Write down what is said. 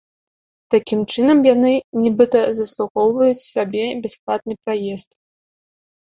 Такім чынам яны, нібыта, заслугоўваюць сабе бясплатны праезд.